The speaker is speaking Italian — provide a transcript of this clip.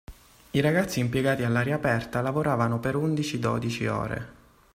I ragazzi impiegati all’aria aperta lavoravano per undici-dodici ore.